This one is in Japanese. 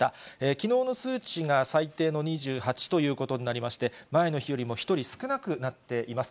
きのうの数値が最低の２８ということになりまして、前の日よりも１人少なくなっています。